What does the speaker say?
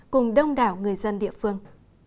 cùng đông đảo người dân địa phương